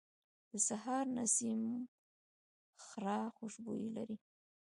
د سهار نسیم خړه خوشبويي لري